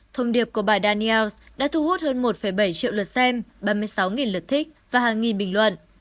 thông điệp của bài daniels đã thu hút hơn một bảy triệu lượt xem ba mươi sáu lượt thích và hàng nghìn bình luận